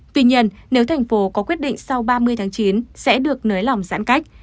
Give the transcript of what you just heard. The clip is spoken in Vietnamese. tuy nhiên nếu thành phố có quyết định sau ba mươi tháng chín sẽ được nới lỏng giãn cách